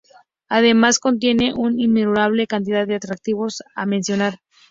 Además contiene una innumerable cantidad de atractivos a mencionar.